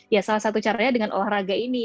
ya salah satu caranya dengan olahraga ini